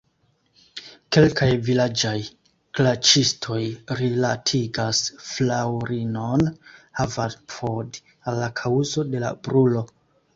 Kelkaj vilaĝaj klaĉistoj rilatigas fraŭlinon Haverford al la kaŭzo de la brulo.